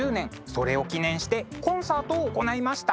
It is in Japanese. それを記念してコンサートを行いました。